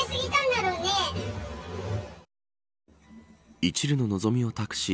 いちるの望みを託し